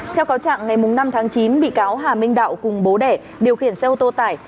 theo cáo trạng ngày năm tháng chín bị cáo hà minh đạo cùng bố đẻ điều khiển xe ô tô tải